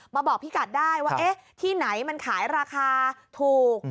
มาบอกพี่กัดได้ว่าไหนไหนขายราคาถูก